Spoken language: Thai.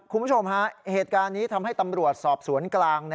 คุณผู้ชมฮะเหตุการณ์นี้ทำให้ตำรวจสอบสวนกลาง